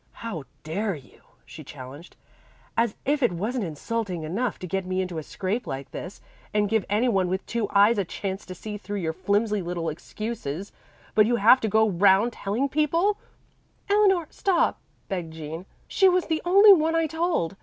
"How dared you," she challenged. "As if it wasn't insulting enough to get me into a scrape like this, and give any one with two eyes a chance to see through your flimsy little excuses, but you have to go round telling people " "Eleanor, stop," begged Jean. "She was the only one I told.